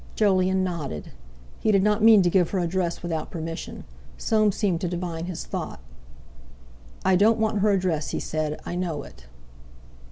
Jolyon nodded. He did not mean to give her address without permission. Soames seemed to divine his thought. "I don't want her address," he said; "I know it."